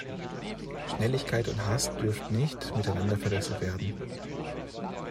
Schnelligkeit und Hast dürfen nicht miteinander verwechselt werden.